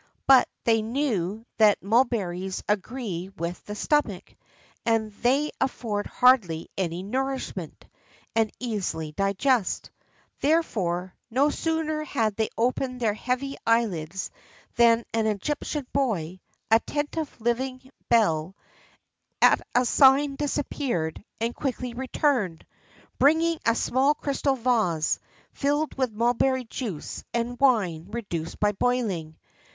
But they knew that mulberries agree with the stomach, that they afford hardly any nourishment, and easily digest:[XIII 73] therefore, no sooner had they opened their heavy eyelids than an Egyptian boy attentive living bell at a sign disappeared, and quickly returned, bearing a small crystal vase, filled with mulberry juice and wine reduced by boiling.